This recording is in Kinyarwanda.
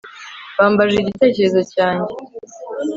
Bambajije igitekerezo cyanjye